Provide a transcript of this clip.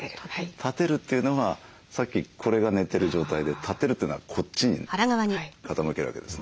立てるというのはさっきこれが寝てる状態で立てるというのはこっちに傾けるわけですね。